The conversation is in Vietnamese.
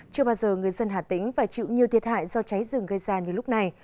chưa bao giờ người dân hà tĩnh phải chịu nhiều thiệt hại do cháy rừng gây ra như lúc này